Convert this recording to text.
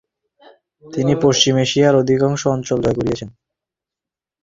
তিনি পশ্চিম এশিয়ার অধিকাংশ অঞ্চল জয় করেছিলেন।